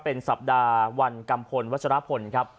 เป็นสัปดาห์วันกัมพลวัชรพลครับ